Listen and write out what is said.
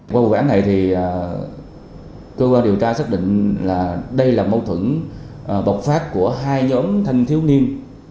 qua cuộc gãn này thì cơ quan điều tra xác định là đây là mâu thuẫn bọc phát của hai nhóm thân thiếu niên